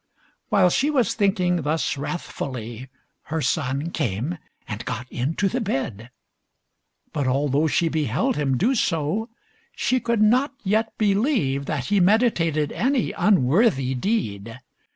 While she was thinking thus wrathfully, her son came and got into the bed, but although she beheld him do so, she could not yet believe that he meditated any unworthy deed.